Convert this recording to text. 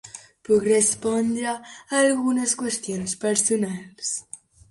Puc respondre a algunes qüestions personals.